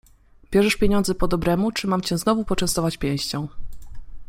Bierzesz pieniądze po dobremu czy mam cię znowu poczęstować pięścią?